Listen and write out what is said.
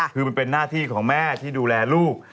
คือมันเป็นหน้าที่ของแม่ที่ดูแลลูก